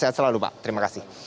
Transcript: sehat selalu pak terima kasih